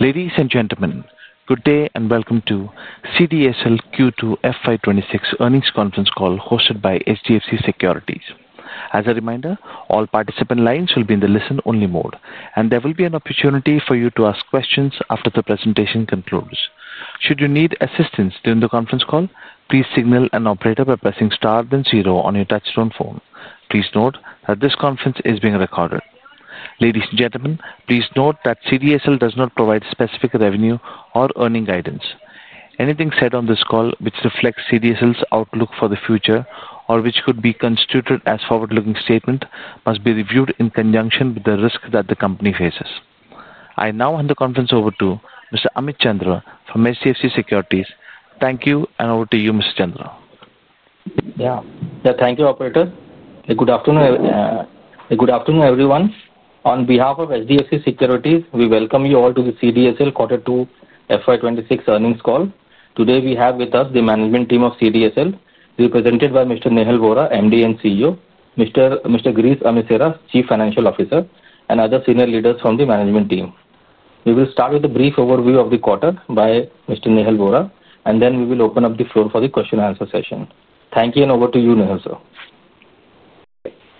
Ladies and gentlemen, good day and welcome to CDSL Q2 FY 2026 earnings conference call hosted by HDFC Securities. As a reminder, all participant lines will be in the listen-only mode, and there will be an opportunity for you to ask questions after, the presentation concludes. Should you need assistance during the conference call, please signal an operator by pressing star then zero on your touch-tone phone. Please note that this conference is being recorded. Ladies and gentlemen, please note that CDSL does not provide specific revenue or earning guidance. Anything said on this call which reflects CDSL's outlook for the future or which could be constituted as a forward-looking statement must be reviewed in conjunction with the risk that the company faces. I now hand the conference over to Mr. Amit Chandra from HDFC Securities. Thank you, and over to you, Mr. Chandra. Yeah. Yeah. Thank you, operator. Good afternoon. Good afternoon, everyone. On behalf of HDFC Securities, we welcome you all to the CDSL Q2 FY 2026 earnings call. Today, we have with us the management team of CDSL, represented by Mr. Nehal Vora, MD and CEO, Mr. Girish Amesara, Chief Financial Officer, and other senior leaders from the management team. We will start with a brief overview of the quarter by Mr. Nehal Vora, and then we will open up the floor for the question-and-answer session. Thank you, and over to you, Nehal, sir.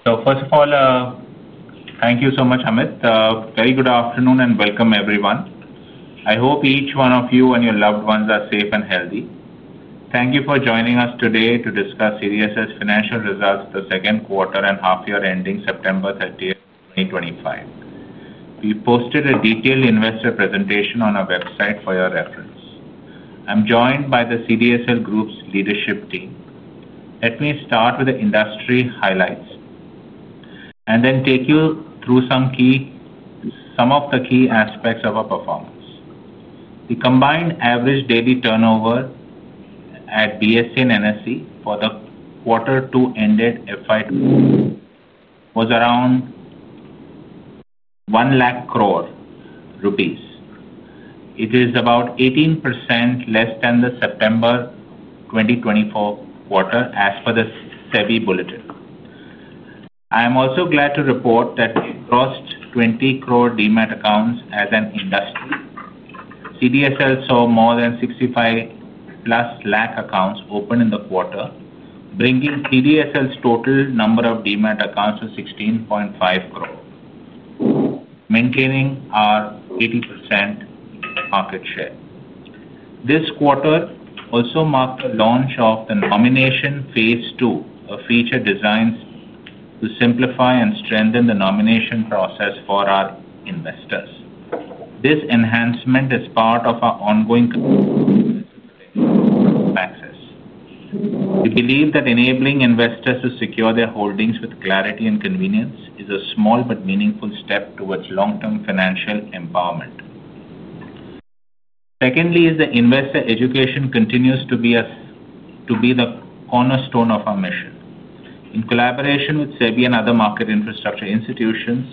First of all, thank you so much, Amit. Very good afternoon and welcome, everyone. I hope each one of you and your loved ones are safe and healthy. Thank you for joining us today to discuss CDSL's financial results for the second quarter and half-year ending September 30th, 2025. We posted a detailed investor presentation on our website for your reference. I'm joined by the CDSL Group's leadership team. Let me start with the industry highlights and then take you through some of the key aspects of our performance. The combined average daily turnover at BSE and NSE for the quarter two ended FY 2026 was around INR 1 lakh crore. It is about 18% less than the September 2024 quarter as per the SEBI bulletin. I am also glad to report that we crossed 20 crore demat accounts as an industry. CDSL saw more than 6.5 million accounts open in the quarter, bringing CDSL's total number of demat accounts to 16. 5 crore, maintaining our 80% market share. This quarter also marked the launch of the nomination phasse II, a feature designed to simplify and strengthen the nomination process for our investors. This enhancement is part of our ongoing investor access. We believe that enabling investors to secure their holdings with clarity and convenience is a small but meaningful step towards long-term financial empowerment. Secondly, investor education continues to be the cornerstone of our mission. In collaboration with SEBI and other market infrastructure institutions,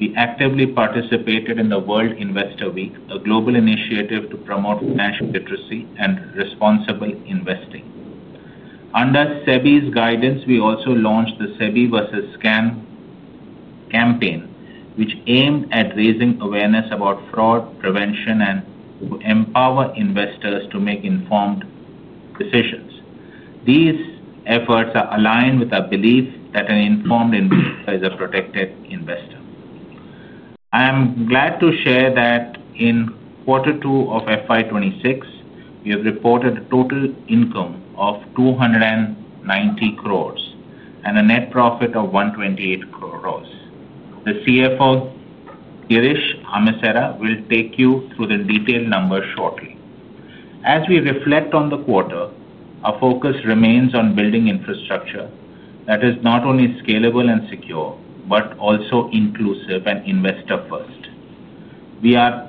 we actively participated in the World Investor Week, a global initiative to promote financial literacy and responsible investing. Under SEBI's guidance, we also launched the SEBI vs. Scam campaign, which aimed at raising awareness about fraud prevention and to empower investors to make informed decisions. These efforts are aligned with our belief that an informed investor is a protected investor. I am glad to share that in quarter two of FY 2026, we have reported a total income of 290 crores and a net profit of 128 crores. The CFO, Girish Amesara, will take you through the detailed numbers shortly. As we reflect on the quarter, our focus remains on building infrastructure that is not only scalable and secure but also inclusive and investor-first. We are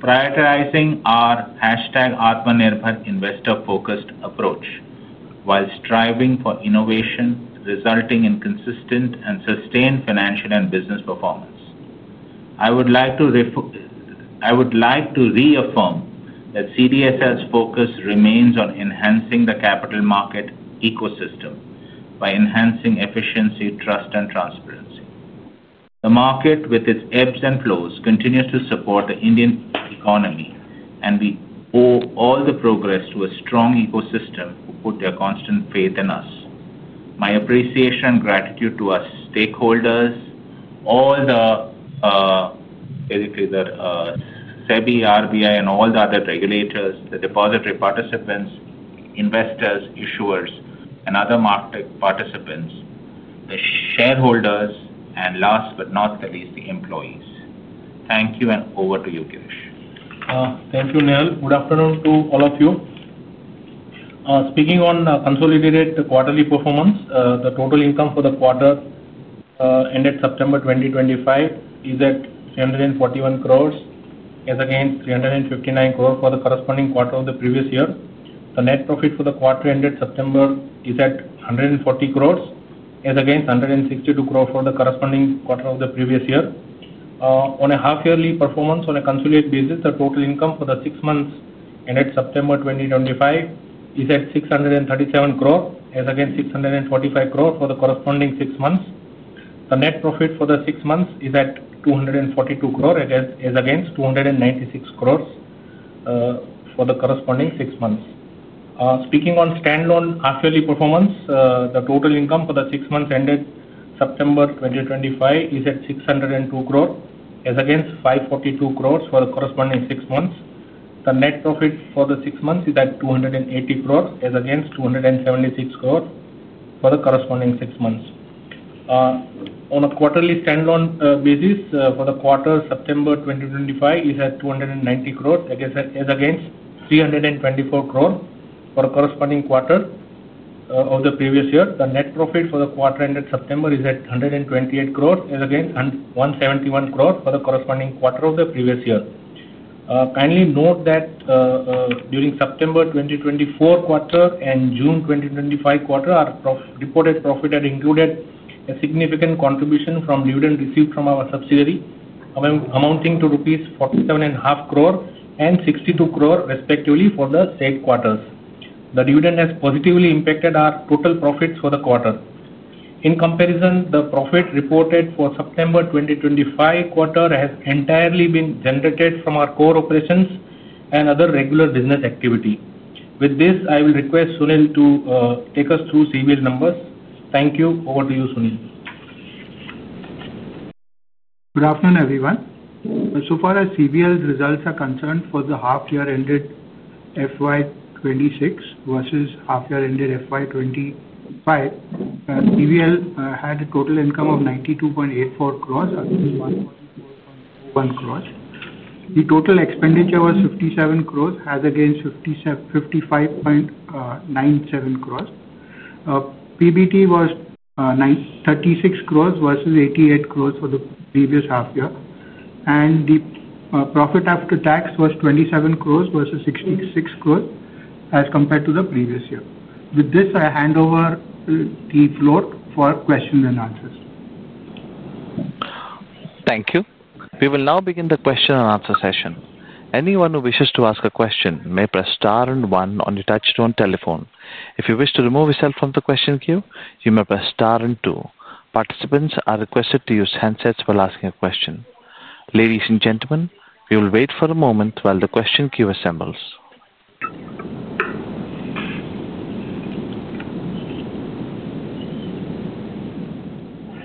prioritizing our #AATMANIRBHAR investor-focused approach while striving for innovation resulting in consistent and sustained financial and business performance. I would like to reaffirm that CDSL's focus remains on enhancing the capital market ecosystem by enhancing efficiency, trust, and transparency. The market, with its ebbs and flows, continues to support the Indian economy, and we owe all the progress to a strong ecosystem who put their constant faith in us. My appreciation and gratitude to our stakeholders, all the SEBI, RBI, and all the other regulators, the depository participants, investors, issuers, and other market participants, the shareholders, and last but not the least, the employees. Thank you, and over to you, Girish. Thank you, Nehal. Good afternoon to all of you. Speaking on consolidated quarterly performance, the total income for the quarter ended September 2025 is at 341 crore, as against 359 crore for the corresponding quarter of the previous year. The net profit for the quarter ended September is at 140 crore, as against 162 crore for the corresponding quarter of the previous year. On a half-yearly performance on a consolidated basis, the total income for the six months ended September 2025 is at INR 637 crore, as against INR 645 crore for the corresponding six months. The net profit for the six months is at 242 crore, as against 296 crore for the corresponding six months. Speaking on standalone half-yearly performance, the total income for the six months ended September 2025 is at 602 crore, as against 542 crore for the corresponding six months. The net profit for the six months is at 280 crore, as against 276 crore for the corresponding six months. On a quarterly standalone basis, for the quarter September 2025 is at 290 crore, as against 324 crore for the corresponding quarter of the previous year. The net profit for the quarter ended September is at 128 crore, as against 171 crore for the corresponding quarter of the previous year. Kindly note that during September 2024 quarter and June 2025 quarter, our reported profit had included a significant contribution from dividend received from our subsidiary, amounting to rupees 47.5 crore and 62 crore, respectively, for the said quarters. The dividend has positively impacted our total profits for the quarter. In comparison, the profit reported for September 2025 quarter has entirely been generated from our core operations and other regular business activity. With this, I will request Sunil to take us through CVL numbers. Thank you. Over to you, Sunil. Good afternoon, everyone. So far, as CDSL results are concerned for the half-year ended fiscal year 2026 versus half-year ended fiscal year 2025. CDSL had a total income of 92.84 crore against 144.01 crore. The total expenditure was 57 crore as against 55.97 crore. PBT was 36 crore versus 88 crore for the previous half-year. The profit after tax was 27 crore versus 66 crore as compared to the previous year. With this, I hand over the floor for questions and answers. Thank you. We will now begin the question-and-answer session. Anyone who wishes to ask a question may press star and one on the touch-tone telephone. If you wish to remove yourself from the question queue, you may press star and two. Participants are requested to use handsets while asking a question. Ladies and gentlemen, we will wait for a moment while the question queue assembles.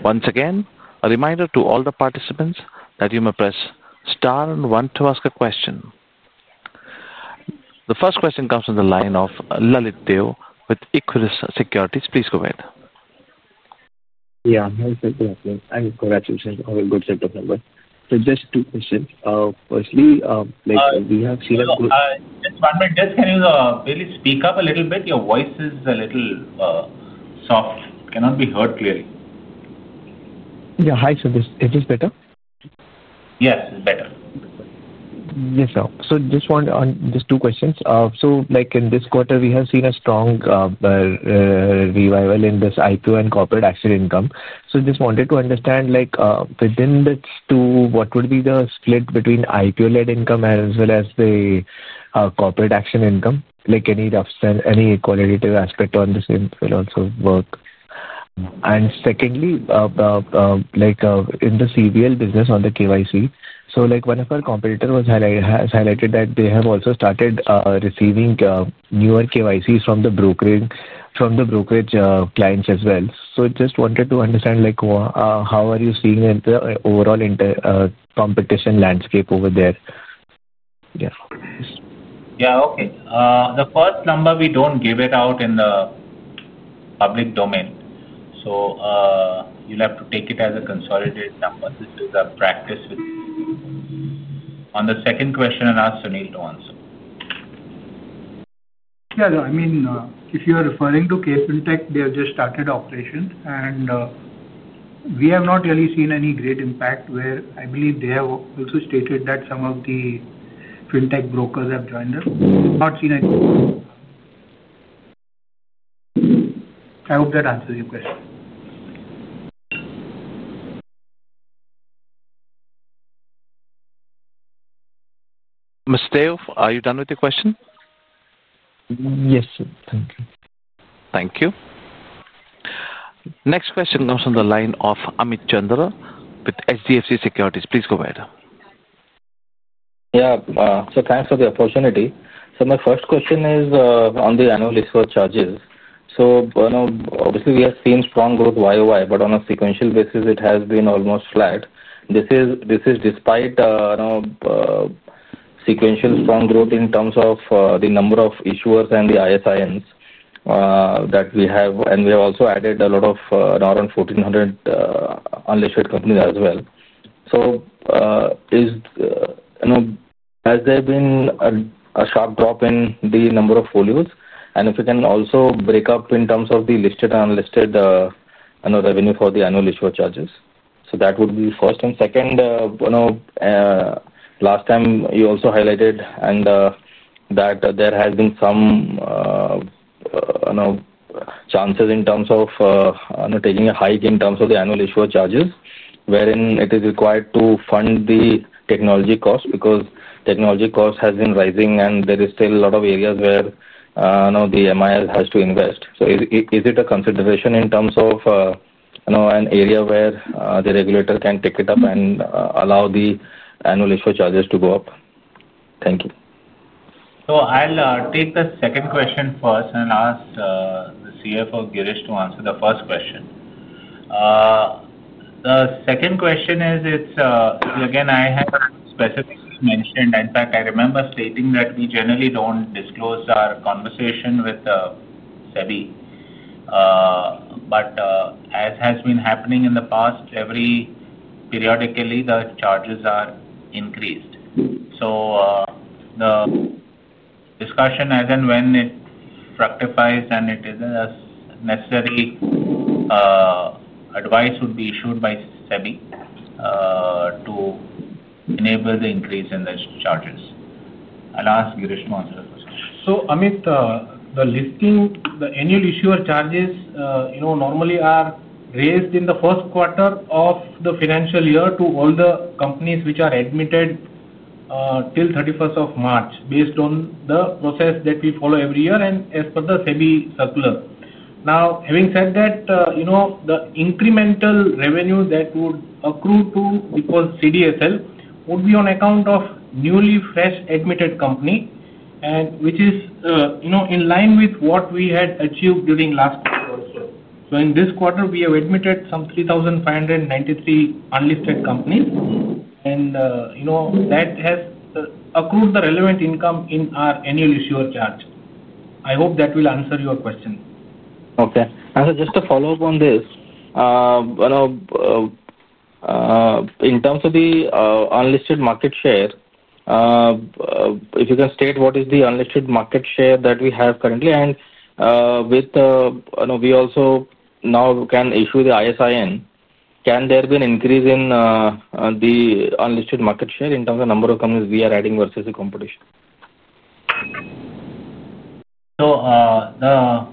Once again, a reminder to all the participants that you may press star and one to ask a question. The first question comes from the line of Lalit Dil with Ikwiris Securities. Please go ahead. Yeah, Sunil. Thanks. Congratulations on a good set of numbers. Just two questions. Firstly, we have seen a. Lalit, can you really speak up a little bit? Your voice is a little soft. Cannot be heard clearly. Yeah. Hi, Sunil Is this better? Yes, it's better. Yes, sir. Just two questions. In this quarter, we have seen a strong revival in this IPO and corporate action income. I just wanted to understand, within the two, what would be the split between IPO-led income as well as the corporate action income? Any qualitative aspect on this will also work. Secondly, in the CVL business on the KYC, one of our competitors has highlighted that they have also started receiving newer KYCs from the brokerage clients as well. I just wanted to understand, how are you seeing the overall competition landscape over there? Yeah. Okay. The first number, we don't give it out in the public domain. So you'll have to take it as a consolidated number. This is a practice with. On the second question, I'll ask Sunil to answer. Yeah. I mean, if you are referring to they have just started operations. We have not really seen any great impact. I believe they have also stated that some of the fintech brokers have joined us. I hope that answers your question. Mr. Dil are you done with the question? Yes, sir. Thank you. Thank you. Next question comes from the line of Amit Chandra with HDFC Securities. Please go ahead. Yeah. Thanks for the opportunity. My first question is on the annual issuer charges. Obviously, we have seen strong growth year on year, but on a sequential basis, it has been almost flat. This is despite sequential strong growth in terms of the number of issuers and the ISINs that we have, and we have also added a lot of around 1,400 unlisted companies as well. Has there been a sharp drop in the number of folios? If you can also break up in terms of the listed and unlisted revenue for the annual issuer charges, that would be the first. Second, last time, you also highlighted that there have been some chances in terms of taking a hike in terms of the annual issuer charges, wherein it is required to fund the technology cost because technology cost has been rising, and there are still a lot of areas where the MIS has to invest. Is it a consideration in terms of an area where the regulator can take it up and allow the annual issuer charges to go up? Thank you. I'll take the second question first and ask the CFO, Girish, to answer the first question. The second question is, again, I have specifically mentioned, in fact, I remember stating that we generally don't disclose our conversation with SEBI. As has been happening in the past, periodically, the charges are increased. The discussion, as and when it fructifies and it is as necessary, advice would be issued by SEBI to enable the increase in the charges. I'll ask Girish to answer the question. Amit, the annual issuer charges normally are raised in the first quarter of the financial year to all the companies which are admitted till March based on the process that we follow every year and as per the SEBI circular. Now, having said that, the incremental revenue that would accrue to, because CDSL, would be on account of newly fresh admitted company, which is in line with what we had achieved during last quarter. In this quarter, we have admitted some 3,593 unlisted companies, and that has accrued the relevant income in our annual issuer charge. I hope that will answer your question. Okay. Just to follow up on this. In terms of the unlisted market share, if you can state what is the unlisted market share that we have currently. We also now can issue the ISIN. Can there be an increase in the unlisted market share in terms of number of companies we are adding versus the competition? The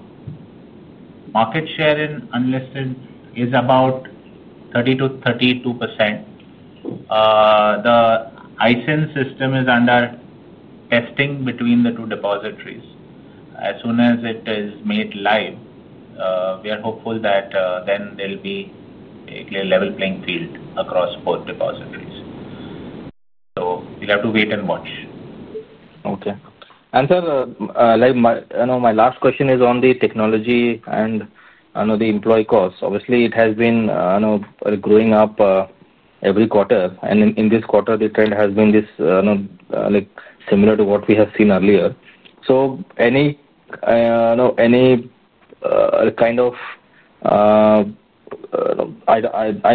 market share in unlisted is about 30%-32%. The ISIN system is under testing between the two depositories. As soon as it is made live, we are hopeful that then there will be a level playing field across both depositories. We will have to wait and watch. Okay. And sir, my last question is on the technology and the employee cost. Obviously, it has been growing up every quarter, and in this quarter, the trend has been similar to what we have seen earlier. Any kind of, I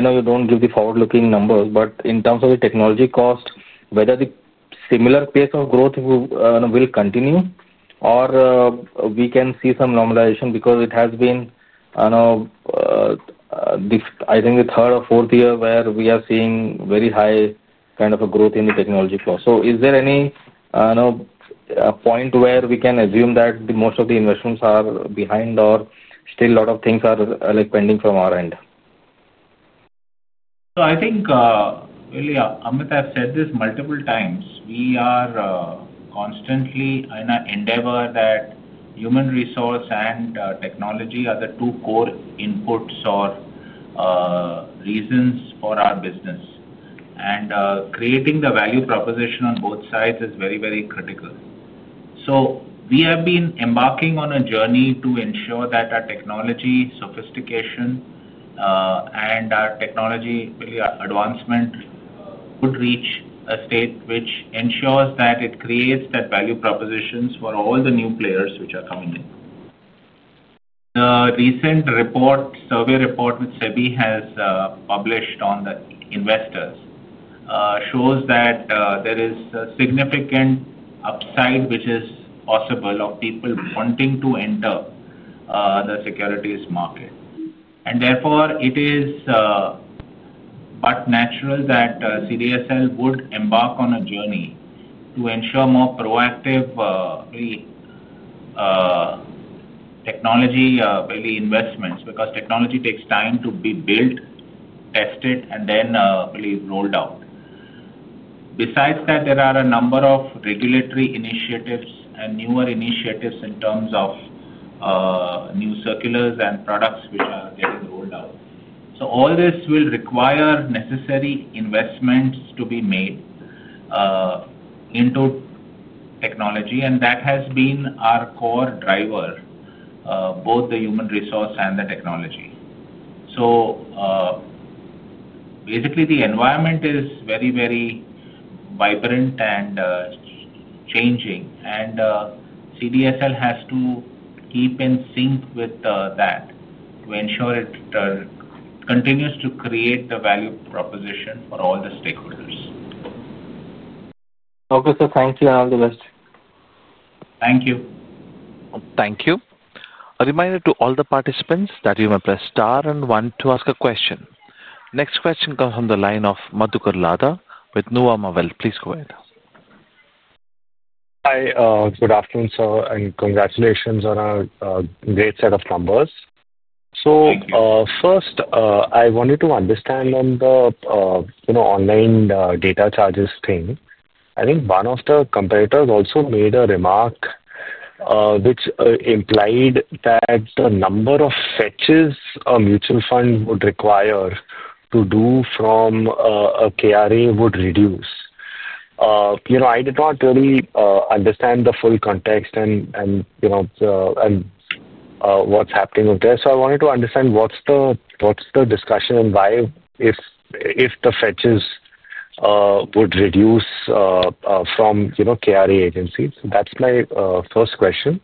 know you do not give the forward-looking numbers, but in terms of the technology cost, whether the similar pace of growth will continue or we can see some normalization because it has been, I think, the third or fourth year where we are seeing very high kind of a growth in the technology cost. Is there any point where we can assume that most of the investments are behind or still a lot of things are pending from our end? I think, really, Amit has said this multiple times. We are constantly in an endeavor that human resource and technology are the two core inputs or reasons for our business. Creating the value proposition on both sides is very, very critical. We have been embarking on a journey to ensure that our technology sophistication and our technology advancement could reach a state which ensures that it creates that value proposition for all the new players which are coming in. The recent survey report which SEBI has published on the investors shows that there is a significant upside which is possible of people wanting to enter the securities market. Therefore, it is but natural that CDSL would embark on a journey to ensure more proactive technology investments because technology takes time to be built, tested, and then rolled out. Besides that, there are a number of regulatory initiatives and newer initiatives in terms of new circulars and products which are getting rolled out. All this will require necessary investments to be made into technology, and that has been our core driver, both the human resource and the technology. Basically, the environment is very, very vibrant and changing, and CDSL has to keep in sync with that to ensure it continues to create the value proposition for all the stakeholders. Okay, sir. Thank you. I'll do the best. Thank you. Thank you. A reminder to all the participants that you may press star and one to ask a question. Next question comes from the line of Madhukar Ladha with Nuvama Wealth. Please go ahead. Hi. Good afternoon, sir. Congratulations on a great set of numbers. Thank you. First, I wanted to understand on the online data charges thing. I think one of the competitors also made a remark, which implied that the number of fetches a mutual fund would require to do from a KRA would reduce. I did not really understand the full context and what is happening with this. I wanted to understand what is the discussion and why, if the fetches would reduce from KRA agencies. That is my first question.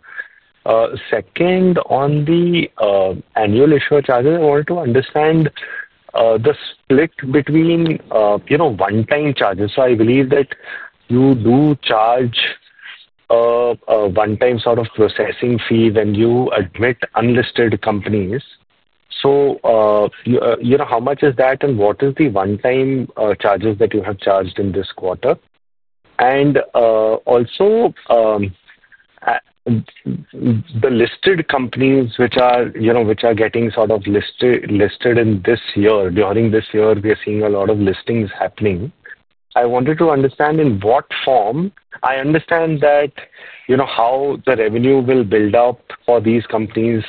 Second, on the annual issuer charges, I wanted to understand the split between one-time charges. I believe that you do charge a one-time sort of processing fee when you admit unlisted companies. How much is that, and what is the one-time charges that you have charged in this quarter? Also, the listed companies which are getting sort of listed in this year, during this year, we are seeing a lot of listings happening. I wanted to understand in what form. I understand how the revenue will build up for these companies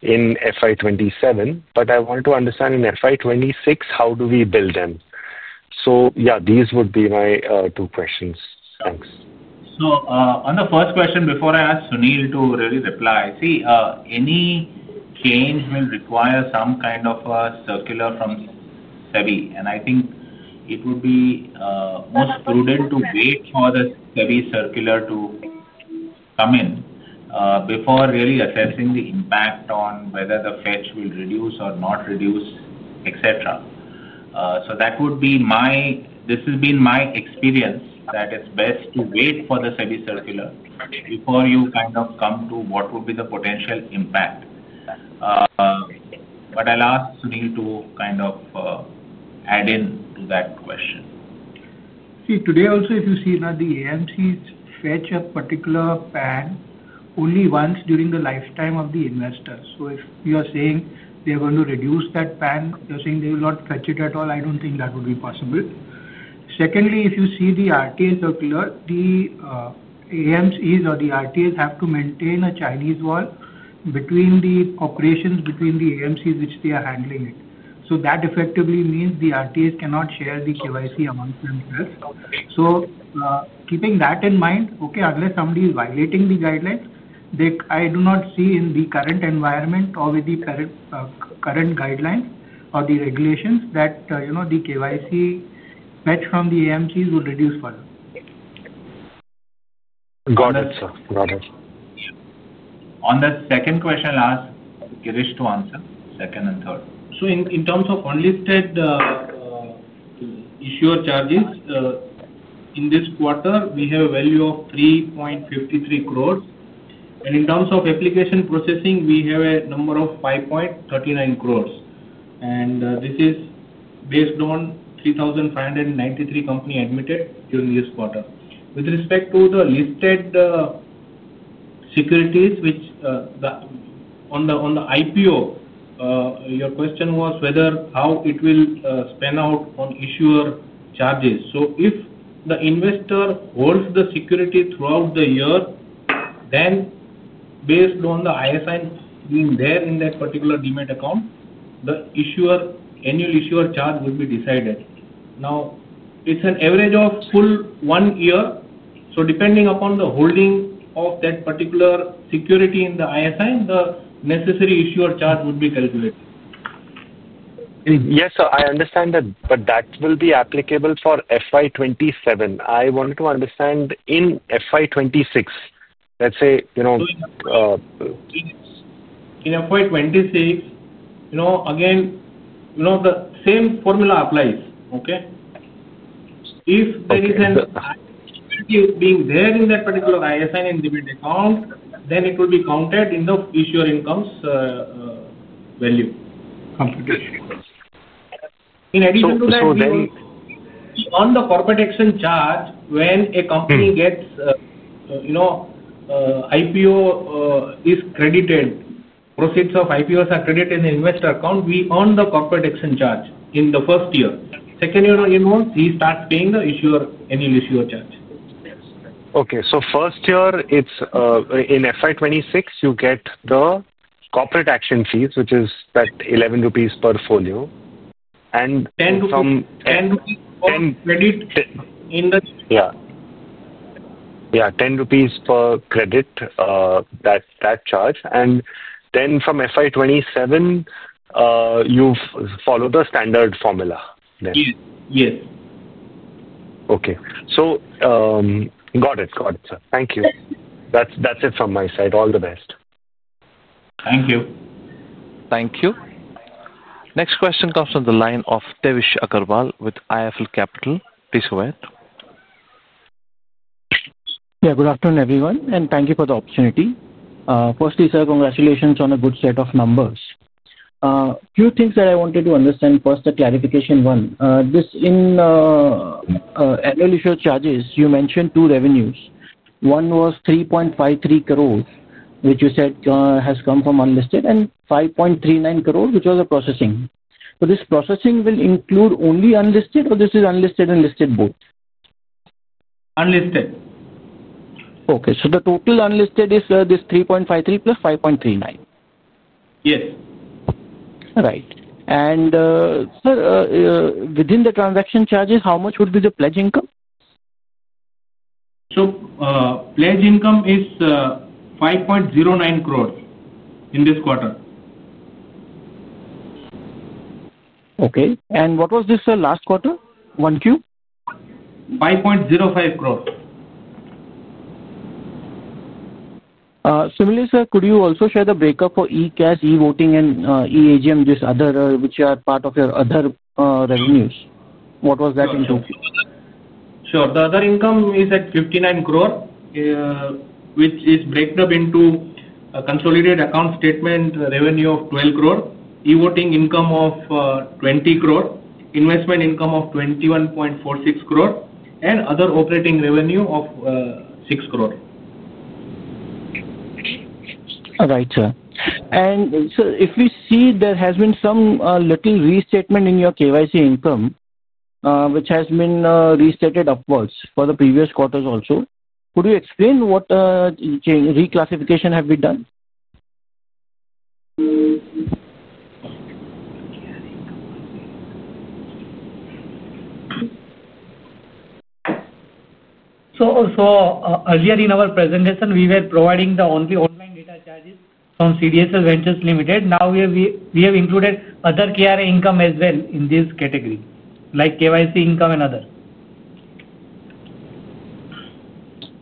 in financial year 2027, but I wanted to understand in financial year 2026, how do we bill them? These would be my two questions. Thanks. On the first question, before I ask Sunil to really reply, see, any change will require some kind of a circular from SEBI. I think it would be most prudent to wait for the SEBI circular to come in before really assessing the impact on whether the fetch will reduce or not reduce, etc. That would be my—this has been my experience—that it is best to wait for the SEBI circular before you kind of come to what would be the potential impact. I will ask Sunil to add in to that question. See, today also, if you see that the AMCs fetch a particular PAN only once during the lifetime of the investor. If you are saying they are going to reduce that PAN, you're saying they will not fetch it at all, I don't think that would be possible. Secondly, if you see the RTA circular, the AMCs or the RTAs have to maintain a Chinese wall between the operations between the AMCs which they are handling. That effectively means the RTAs cannot share the KYC amongst themselves. Keeping that in mind, unless somebody is violating the guidelines, I do not see in the current environment or with the current guidelines or the regulations that the KYC fetch from the AMCs will reduce further. Got it, sir. Got it. On that second question, I'll ask Girish to answer, second and third. In terms of unlisted issuer charges, in this quarter, we have a value of 3.53 crore. In terms of application processing, we have a number of 5.39 crore. This is based on 3,593 companies admitted during this quarter. With respect to the listed securities, which, on the IPO, your question was how it will span out on issuer charges. If the investor holds the security throughout the year, then, based on the ISIN being there in that particular demat account, the annual issuer charge would be decided. Now, it is an average of a full one year, so depending upon the holding of that particular security in the ISIN, the necessary issuer charge would be calculated. Yes, sir, I understand that, but that will be applicable for FY 2027. I wanted to understand in FY 2026, let's say. In FY 2026, again. The same formula applies. Okay? If there is an ISIN security being there in that particular ISIN and demat account, then it will be counted in the issuer income's value competition. In addition to that. We earn the corporate action charge when a company gets IPO. Is credited, proceeds of IPOs are credited in the investor account, we earn the corporate action charge in the first year. Second year on inwards, he starts paying the issuer annual issuer charge. Okay. So first year, in FI26, you get the corporate action fees, which is that 11 crore rupees per folio. 10 crore rupees. Yeah 10 crore rupees per credit. That charge. Then from FY 2027. You follow the standard formula then. Yes. Yes. Okay. Got it. Got it, sir. Thank you. That's it from my side. All the best. Thank you. Thank you. Next question comes from the line of Devesh Agarwal with IIFL Capital. Please go ahead. Yeah, good afternoon, everyone. Thank you for the opportunity. Firstly, sir, congratulations on a good set of numbers. A few things that I wanted to understand. First, the clarification one. In the annual issuer charges, you mentioned two revenues. One was 3.53 crore, which you said has come from unlisted, and 5.39 crore, which was the processing. This processing will include only unlisted, or this is unlisted and listed both? Unlisted. Okay. So the total unlisted is this 3.53 crore+INR.39 crore? Yes. Right. Sir, within the transaction charges, how much would be the pledge income? Pledge income is 5.09 crore in this quarter. Okay. What was this last quarter, 1Q? 5.05 crores. Similarly, sir, could you also share the breakup for e-cash, e-voting, and e-AGM, these other which are part of your other revenues? What was that in 2Q? Sure. The other income is at 59 crore. Which is breakdown into. Consolidated account statement revenue of 12 crore, e-voting income of 20 crore, investment income of 21.46 crore, and other operating revenue of 6 crore. Right, sir. Sir, if we see there has been some little restatement in your KYC income, which has been restated upwards for the previous quarters also. Could you explain what reclassification has been done? Earlier in our presentation, we were providing the only online data charges from CDSL Ventures Limited. Now we have included other KRA income as well in this category, like KYC income and others.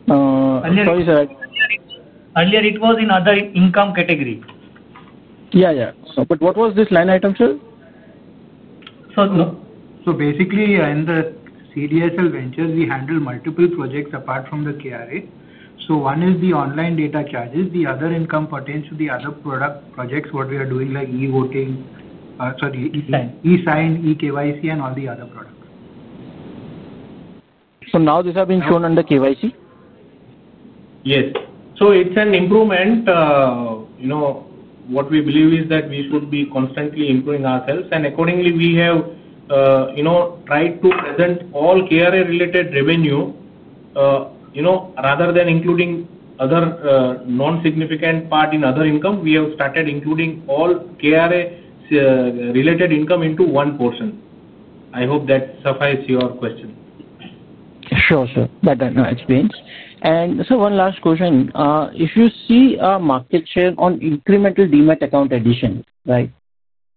Sorry, sir. Earlier, it was in other income category. Yeah, yeah. What was this line item, sir? Basically, in the CDSL Ventures, we handle multiple projects apart from the KRA. One is the online data charges. The other income pertains to the other product projects, what we are doing like e-voting, sorry, e-sign, e-KYC, and all the other products. Now this has been shown under KYC? Yes. It is an improvement. What we believe is that we should be constantly improving ourselves. Accordingly, we have tried to present all KRA-related revenue. Rather than including other non-significant part in other income, we have started including all KRA-related income into one portion. I hope that suffices your question. Sure, sir. That explains. Sir, one last question. If you see market share on incremental demat account addition, right?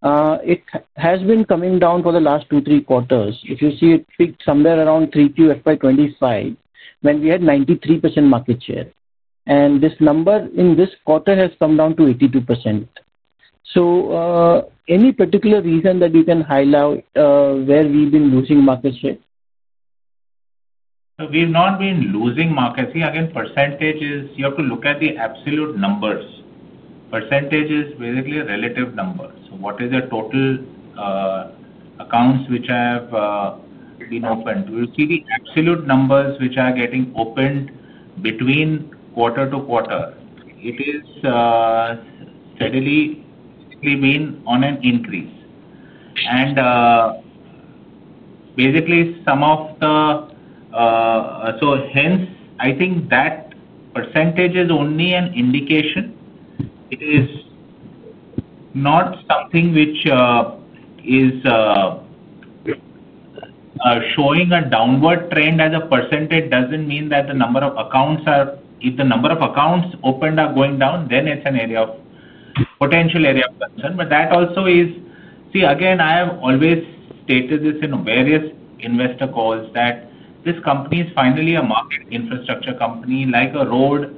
It has been coming down for the last two, three quarters. If you see, it peaked somewhere around 3QFY25, when we had 93% market share. This number in this quarter has come down to 82%. Any particular reason that you can highlight where we've been losing market share? We've not been losing market share. Again, percentages you have to look at the absolute numbers. Percentages is basically a relative number. What is the total accounts which have been opened? We'll see the absolute numbers which are getting opened between quarter to quarter. It has steadily been on an increase. Basically, some of the—hence, I think that percentage is only an indication. It is not something which is showing a downward trend as a percenatage doesn't mean that the number of accounts are—if the number of accounts opened are going down, then it's an area of potential area of concern. That also is—see, again, I have always stated this in various investor calls that this company is finally a market infrastructure company like a road.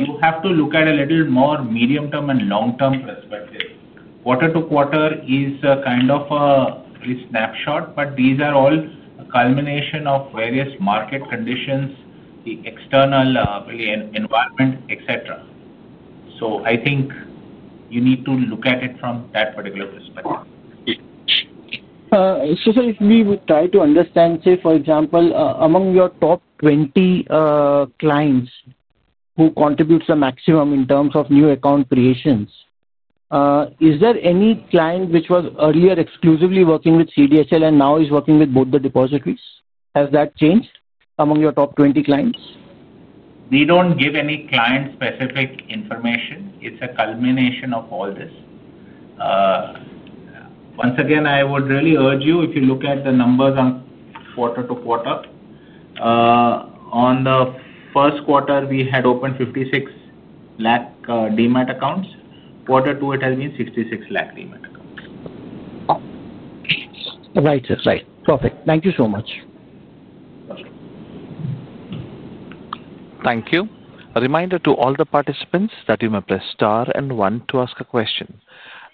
You have to look at a little more medium-term and long-term perspective. Quarter to quarter is kind of a snapshot, but these are all a culmination of various market conditions, the external environment, etc. I think you need to look at it from that particular perspective. If we would try to understand, say, for example, among your top 20 clients who contribute the maximum in terms of new account creations, is there any client which was earlier exclusively working with CDSL and now is working with both the depositories? Has that changed among your top 20 clients? We don't give any client-specific information. It's a culmination of all this. Once again, I would really urge you, if you look at the numbers on quarter to quarter. On the first quarter, we had opened 5.6 million demat accounts. Quarter two, it has been 6.6 million demat accounts. Right, right. Perfect. Thank you so much. Thank you. A reminder to all the participants that you may press star and one to ask a question.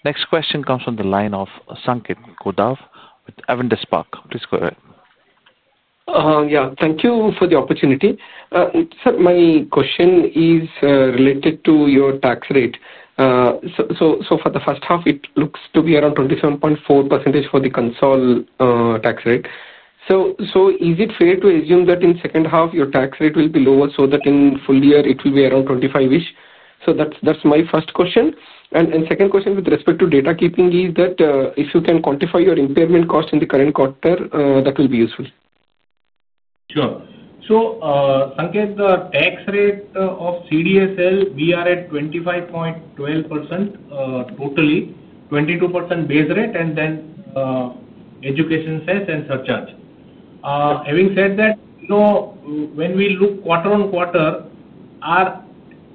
Next question comes from the line of Sanket Kudav with Avindas Park. Please go ahead. Yeah. Thank you for the opportunity. Sir, my question is related to your tax rate. For the first half, it looks to be around 27.4% for the console tax rate. Is it fair to assume that in the second half, your tax rate will be lower so that in the full year, it will be around 25%-ish? That is my first question. The second question with respect to data keeping is that if you can quantify your impairment cost in the current quarter, that will be useful. Sure. Sankwt the tax rate of CDSL, we are at 25.12% totally, 22% base rate, and then education cess and surcharge. Having said that, when we look quarter on quarter, our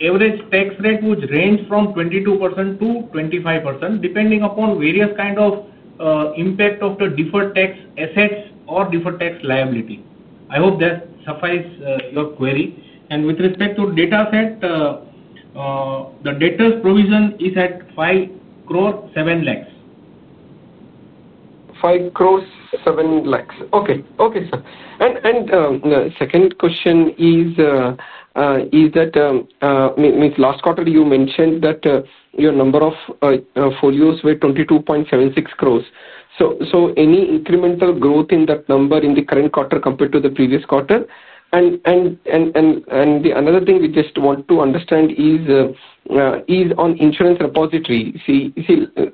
average tax rate would range from 22%-25%, depending upon various kinds of impact of the deferred tax assets or deferred tax liability. I hope that suffices your query. With respect to data set, the data's provision is at 5.07 crore. 5.07 crore. Okay. Okay, sir. Second question is, that means last quarter, you mentioned that your number of folios were 22.76 crore. Any incremental growth in that number in the current quarter compared to the previous quarter? Another thing we just want to understand is, on insurance repository.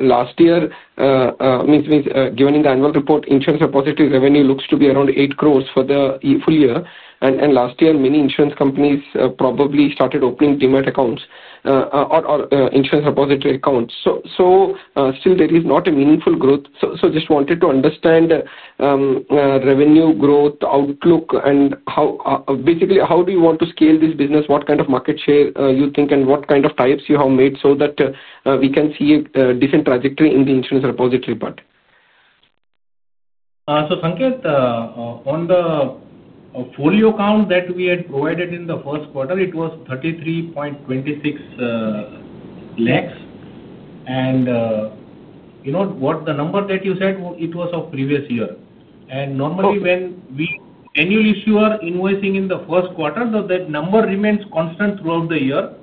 Last year, given in the annual report, insurance repository revenue looks to be around 8 crore for the full year. Last year, many insurance companies probably started opening demat accounts or insurance repository accounts. Still, there is not a meaningful growth. Just wanted to understand revenue growth outlook and basically, how do you want to scale this business, what kind of market share you think, and what kind of tie-ups you have made so that we can see a different trajectory in the insurance repository part? Sanket, on the folio count that we had provided in the first quarter, it was 3.326 million. What the number that you said, it was of previous year. Normally, when we annual issuer invoicing in the first quarter, that number remains constant throughout the year.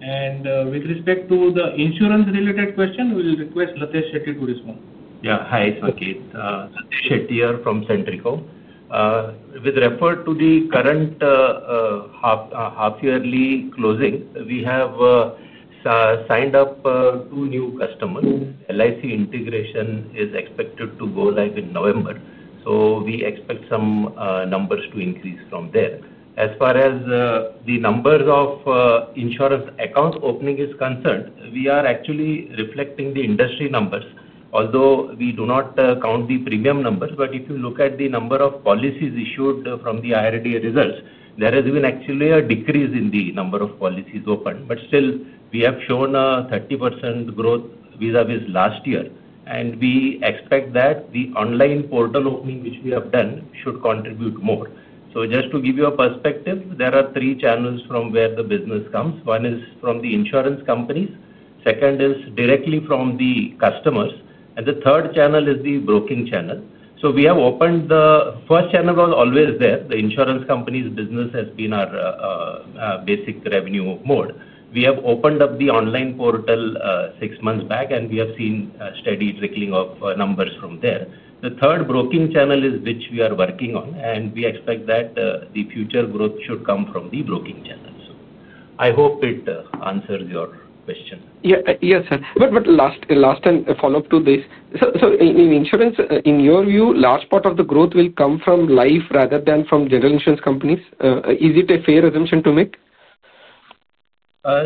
With respect to the insurance-related question, we will request Latesh Shetty to respond. Yeah. Hi, Sankit. Latesh Shetty here from CDSL. With reference to the current half-yearly closing, we have signed up two new customers. LIC integration is expected to go live in November. We expect some numbers to increase from there. As far as the numbers of insurance account opening is concerned, we are actually reflecting the industry numbers. Although we do not count the premium numbers, if you look at the number of policies issued from the IRDA results, there has been actually a decrease in the number of policies opened. Still, we have shown a 30% growth vis-à-vis last year. We expect that the online portal opening, which we have done, should contribute more. Just to give you a perspective, there are three channels from where the business comes. One is from the insurance companies. Second is directly from the customers. The third channel is the broking channel. The first channel was always there. The insurance companies business has been our basic revenue mode. We have opened up the online portal six months back, and we have seen steady trickling of numbers from there. The third broking channel is what we are working on, and we expect that the future growth should come from the broking channel. I hope it answers your question. Yes, sir. Last and follow-up to this. In insurance, in your view, large part of the growth will come from life rather than from general insurance companies. Is it a fair assumption to make?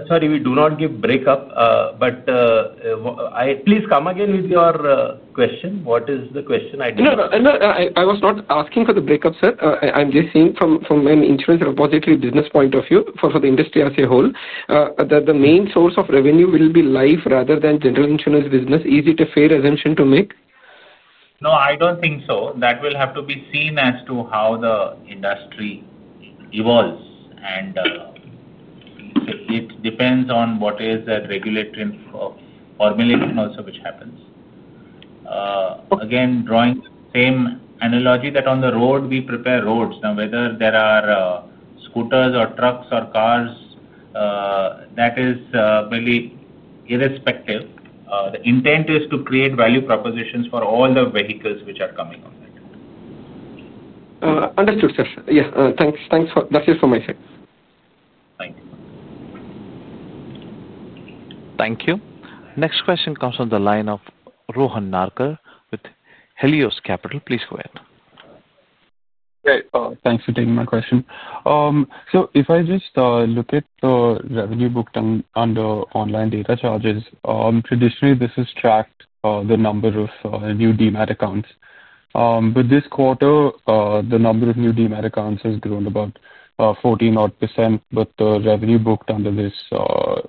Sorry, we do not give breakup. Please come again with your question. What is the question? No, no. I was not asking for the breakup, sir. I'm just seeing from an insurance repository business point of view for the industry as a whole, that the main source of revenue will be life rather than general insurance business. Is it a fair assumption to make? No, I don't think so. That will have to be seen as to how the industry evolves. It depends on what is that regulatory formulation also which happens. Again, drawing the same analogy that on the road, we prepare roads. Now, whether there are scooters or trucks or cars, that is merely irrespective. The intent is to create value propositions for all the vehicles which are coming on that. Understood, sir. Yeah. Thanks. That's it from my side. Thank you. Thank you. Next question comes from the line of Rohan Nagpal with Helios Capital. Please go ahead. Thanks for taking my question. If I just look at the revenue booked under online data charges, traditionally, this has tracked the number of new demat accounts. This quarter, the number of new demat accounts has grown about 14% but the revenue booked under this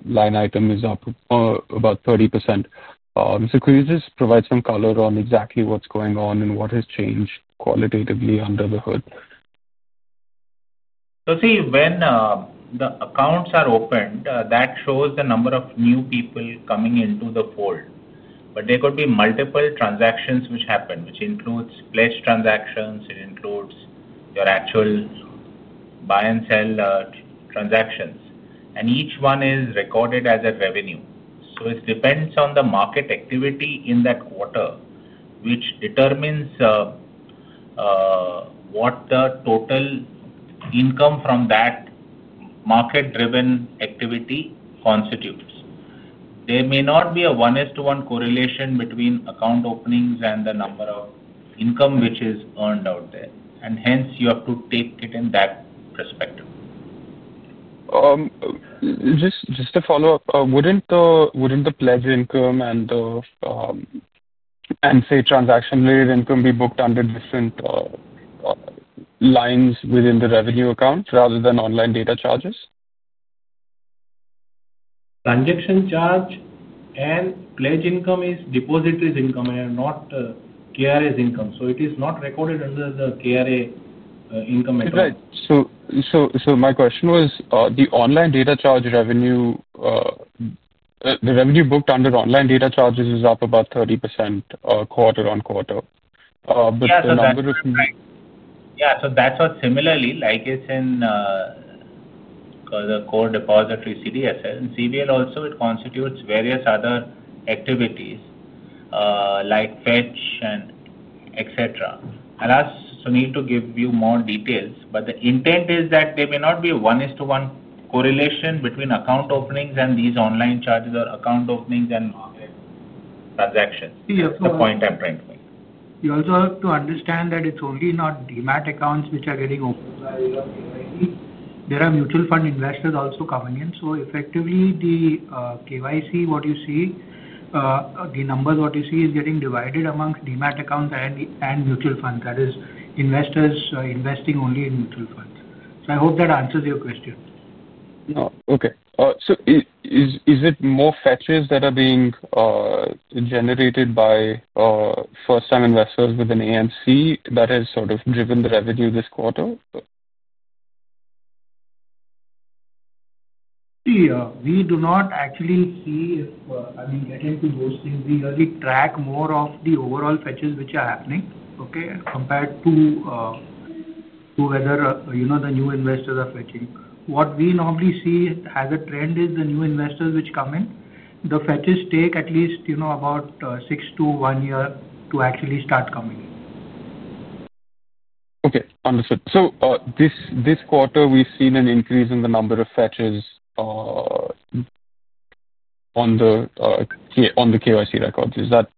line item is up about 30%. Could you just provide some color on exactly what's going on and what has changed qualitatively under the hood? See, when the accounts are opened, that shows the number of new people coming into the fold. There could be multiple transactions which happen, which includes pledge transactions. It includes your actual buy and sell transactions, and each one is recorded as a revenue. It depends on the market activity in that quarter, which determines what the total income from that market-driven activity constitutes. There may not be a one-to-one correlation between account openings and the amount of income which is earned out there. Hence, you have to take it in that perspective. Just a follow-up. Wouldn't the pledge income and the transaction-related income be booked under different lines within the revenue accounts rather than online data charges? Transaction charge and pledge income is depository's income and not KRA's income. It is not recorded under the KRA income account. Right. So my question was, the online data charge revenue, the revenue booked under online data charges is up about 30% quarter on quarter. But the number of. Yeah. That's what, similarly, like it's in the core depository CDSL and CVL also, it constitutes various other activities, like fetch and etc. I need to give you more details, but the intent is that there may not be a one-to-one correlation between account openings and these online charges or account openings and transactions. That's the point I'm trying to make. You also have to understand that it's only not demat accounts which are getting opened. There are mutual fund investors also coming in. Effectively, the KYC, what you see, the numbers what you see is getting divided amongst demat accounts and mutual funds. That is investors investing only in mutual funds. I hope that answers your question. Okay. So is it more fetches that are being generated by first-time investors within AMC that has sort of driven the revenue this quarter? We do not actually see, if I mean, get into those things. We usually track more of the overall fetches which are happening, okay, compared to whether the new investors are fetching. What we normally see as a trend is the new investors which come in, the fetches take at least about six months to one year to actually start coming. Okay. Understood. This quarter, we've seen an increase in the number of fetches on the KYC records. Is that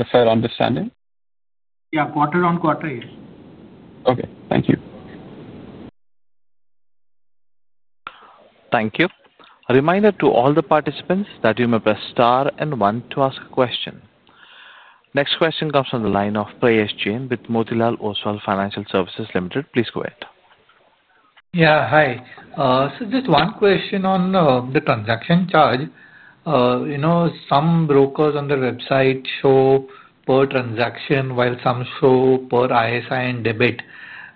a fair understanding? Yeah. Quarter on quarter, yes. Okay. Thank you. Thank you. A reminder to all the participants that you may press star and one to ask a question. Next question comes from the line of Prayesh Jain with Motilal Oswal Financial Services Limited. Please go ahead. Yeah. Hi. So just one question on the transaction charge. Some brokers on their website show per transaction while some show per ISIN debit.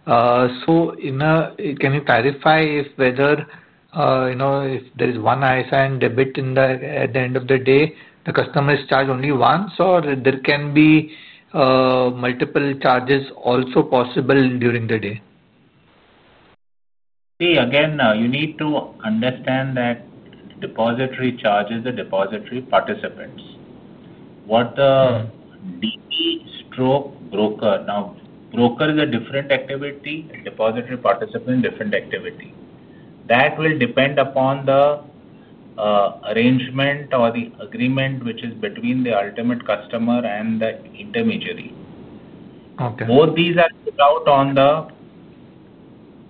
So can you clarify if whether, if there is one ISIN debit at the end of the day, the customer is charged only once or there can be multiple charges also possible during the day? See, again, you need to understand that depository charges are depository participants. What the DP stroke broker, now, broker is a different activity, depository participant is a different activity. That will depend upon the arrangement or the agreement which is between the ultimate customer and the intermediary. Both these are put out on the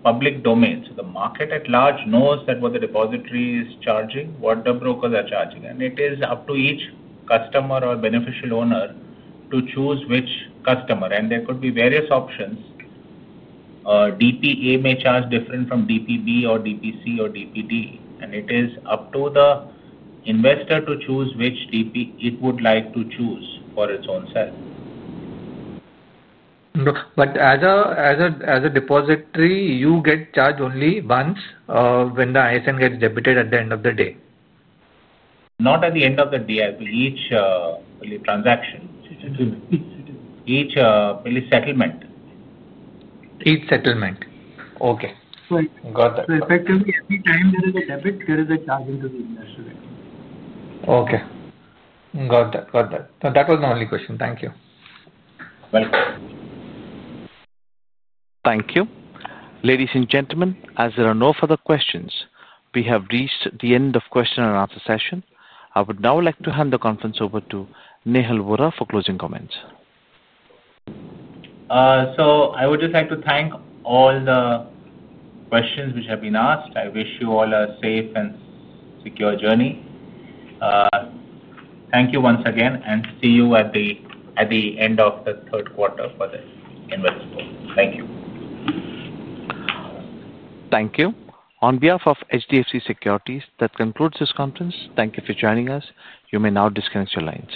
public domain. The market at large knows what the depository is charging, what the brokers are charging. It is up to each customer or beneficial owner to choose which customer. There could be various options. DPA may charge different from DPB or DPC or DPD. It is up to the investor to choose which DP it would like to choose for its own sale. As a depository, you get charged only once when the ISIN gets debited at the end of the day? Not at the end of the day. Each transaction. Each settlement. Each settlement. Okay. Got that. So effectively, every time there is a debit, there is a charge into the investor account. Okay. Got that. Got that. That was the only question. Thank you. Thank you. Ladies and gentlemen, as there are no further questions, we have reached the end of the question and answer session. I would now like to hand the conference over to Nehal Vora for closing comments. I would just like to thank all the questions which have been asked. I wish you all a safe and secure journey. Thank you once again, and see you at the end of the third quarter for the investors. Thank you. Thank you. On behalf of HDFC Securities, that concludes this conference. Thank you for joining us. You may now disconnect your lines.